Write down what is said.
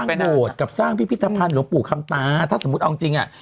โบสถ์กับสร้างพิพิธภัณฑ์หลวงปู่คำตาถ้าสมมุติเอาจริงอ่ะ